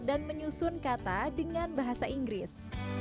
menyusun kata dengan bahasa inggris